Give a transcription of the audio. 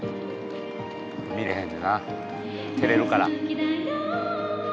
見られへんねんな、照れるから。